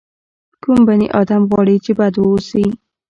کوم بني ادم غواړي چې بد واوسي.